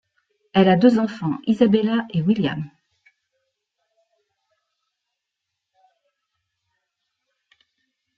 Elle a deux enfants Isabella et William.